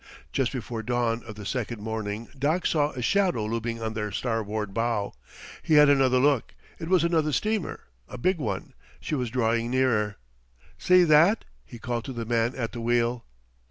Just before dawn of the second morning Doc saw a shadow looming on their starboard bow. He had another look. It was another steamer a big one. She was drawing nearer. "See that?" he called to the man at the wheel.